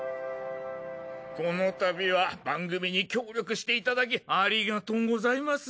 このたびは番組に協力していただきありがとうございます。